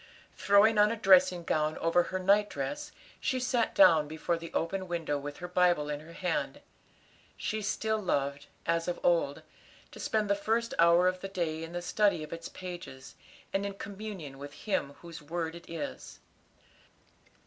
Throwing on a dressing gown over her night dress, she sat down before the open window with her Bible in her hand. She still loved, as of old, to spend the first hour of the day in the study of its pages, and in communion with Him whose word it is.